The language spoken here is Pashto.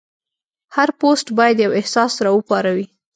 هر پوسټ باید یو احساس راوپاروي.